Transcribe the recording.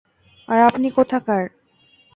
আর আপনি কোথাকার?